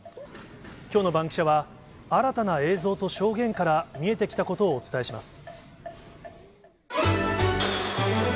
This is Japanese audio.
きょうのバンキシャ！は、新たな映像と証言から見えてきたことをお伝えします。